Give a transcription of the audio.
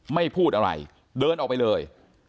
ไม่พูดอะไรเดินออกไปเลย